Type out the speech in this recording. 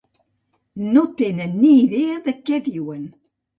No tenen ni idea de què diuen!